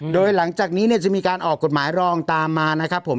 โดยหลังจากนี้เนี่ยจะมีการออกกฎหมายรองตามมานะครับผม